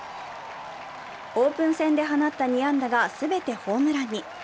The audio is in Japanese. オープン戦で放った２安打が全てホームランに。